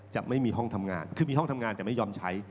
จะไม่มีห้องทำงานคือมีห้องทำงานแต่ไม่ยอมใช้